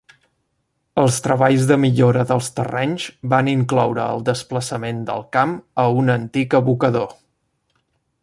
Els treballs de millora dels terrenys van incloure el desplaçament del camp a un antic abocador.